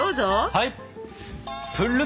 はい！